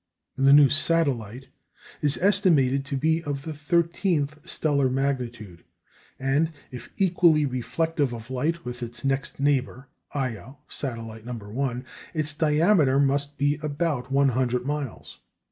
The new satellite is estimated to be of the thirteenth stellar magnitude, and, if equally reflective of light with its next neighbour, Io (satellite No. 1), its diameter must be about one hundred miles.